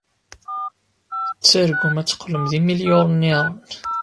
Tettargum ad teqqlem d imilyuniṛen.